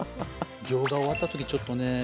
行が終わった時ちょっとね